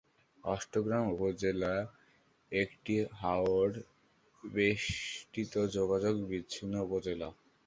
অষ্টগ্রাম উপজেলা একটি হাওড় বেষ্টিত যোগাযোগ বিচ্ছিন্ন উপজেলা।